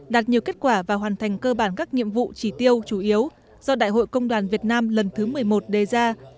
đạt nhiều kết quả và hoàn thành cơ bản các nhiệm vụ chỉ tiêu chủ yếu do đại hội công đoàn việt nam lần thứ một mươi một đề ra